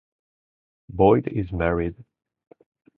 Boyd is married.